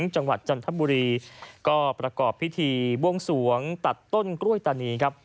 จังหวัดจันทบุรีก็ประกอบพิธีบวงสวงตัดต้นกล้วยตานีครับ